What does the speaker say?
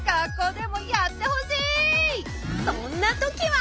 そんなときは。